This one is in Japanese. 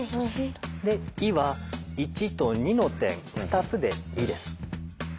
で「い」は１と２の点２つで「い」です。